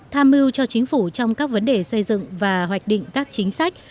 tham mưu cho chính phủ trong các vấn đề xây dựng và hoạch định các chính sách